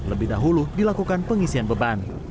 lebih dahulu dilakukan pengisian beban